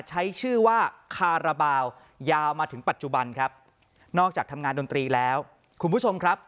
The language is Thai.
ใช้ชื่อว่าคาราบาลยาวมาถึงปัจจุบันครับนอกจากทำงานดนตรีแล้วคุณผู้ชมครับ